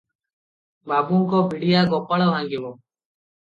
ବାବୁଙ୍କ ବିଡ଼ିଆ ଗୋପାଳ ଭାଙ୍ଗିବ ।